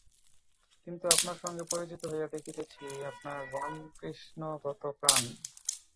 কিন্তু আপনার সঙ্গে পরিচিত হইয়া দেখিতেছি, আপনার রামকৃষ্ণগত প্রাণ।